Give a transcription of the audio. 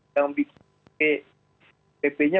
yang bikin pp pp nya itu pp empat tahun dua ribu empat belas ya